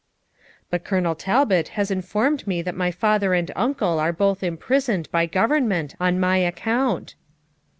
'But Colonel Talbot has informed me that my father and uncle are both imprisoned by government on my account.'